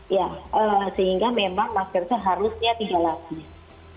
ya sehingga memang maskernya harusnya tiga lapis